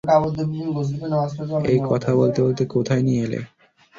এই, কথা বলতে বলতে কোথায় নিয়ে এলে?